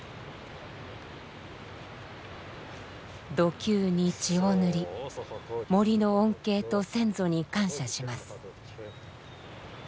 弩弓に血を塗り森の恩恵と先祖に感謝します。